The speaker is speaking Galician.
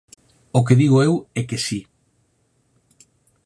O que digo eu é que si